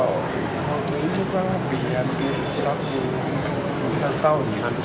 halo waktu ini sudah hampir hampir satu tahun